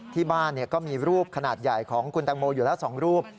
ที่บ้านก็มีรูปขนาดใหญ่ของคุณตังโมอยู่แล้ว๒รูป